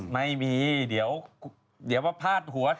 ไม่มีเดี๋ยวมาพาดหัว